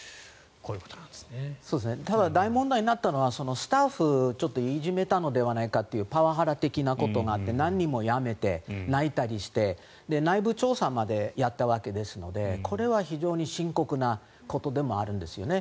ただ大問題になったのはスタッフをちょっといじめたのではないかということでパワハラ的なことがあって何人も辞めて泣いたりして内部調査までやったわけですのでこれは非常に深刻なことであるんですね。